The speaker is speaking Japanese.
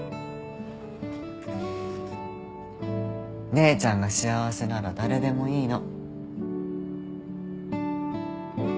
姉ちゃんが幸せなら誰でもいいの。